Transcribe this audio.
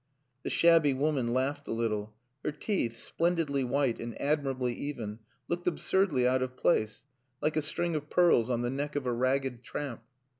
The shabby woman laughed a little. Her teeth, splendidly white and admirably even, looked absurdly out of place, like a string of pearls on the neck of a ragged tramp.